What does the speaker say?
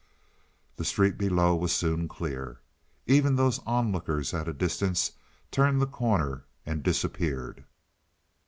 The street below was soon clear. Even those onlookers at a distance turned the corner and disappeared.